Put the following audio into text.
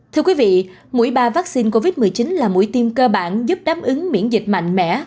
thưa quý vị mũi ba vaccine covid một mươi chín là mũi tiêm cơ bản giúp đáp ứng miễn dịch mạnh mẽ